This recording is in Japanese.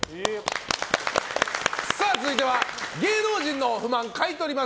続いては芸能人の不満買い取ります。